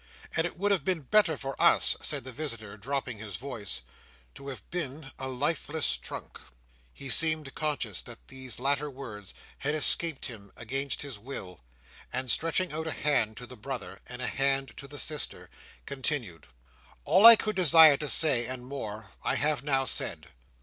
And it would have been better for us," said the visitor, dropping his voice, "to have been a lifeless trunk." He seemed conscious that these latter words had escaped him against his will, and stretching out a hand to the brother, and a hand to the sister, continued: "All I could desire to say, and more, I have now said.